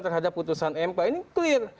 terhadap putusan mk ini clear